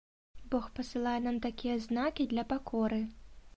Бог пасылае нам такія знакі для пакоры.